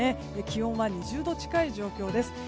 気温は２０度近い状況です。